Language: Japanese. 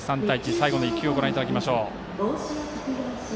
最後の１球をご覧いただきます。